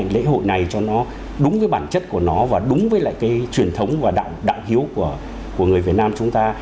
lễ hội này cho nó đúng với bản chất của nó và đúng với lại cái truyền thống và đạo hiếu của người việt nam chúng ta